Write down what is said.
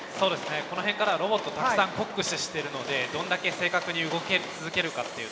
この辺からはロボットたくさん酷使してるのでどんだけ正確に動け続けるかという。